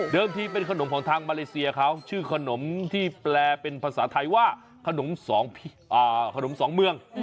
ที่เป็นขนมของทางมาเลเซียเขาชื่อขนมที่แปลเป็นภาษาไทยว่าขนมสองเมือง